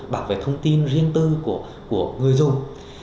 bảo vệ thông tin riêng tư của người dùng